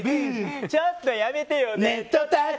ちょっとやめてよ